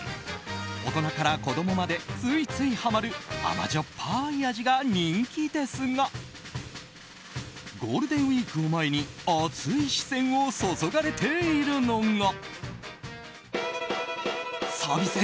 大人から子供までついついハマる甘じょっぱい味が人気ですがゴールデンウィークを前に熱い視線を注がれているのが。